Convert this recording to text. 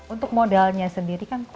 untuk modalnya sendiri kan